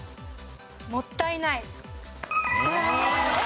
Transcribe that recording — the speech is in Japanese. もったいない。